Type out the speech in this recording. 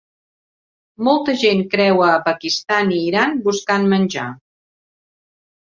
Molta gent creua a Pakistan i Iran buscant menjar.